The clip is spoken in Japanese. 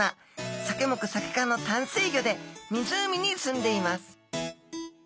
サケ目サケ科の淡水魚で湖にすんでいます。